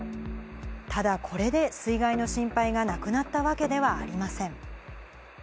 ただ、これで水害の心配がなくなったわけではありません。